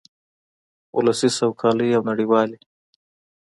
ولسي سوکالۍ او نړیوالې